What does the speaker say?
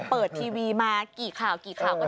เปิดทีวีมากี่ข่าวก็เจอแบบนี้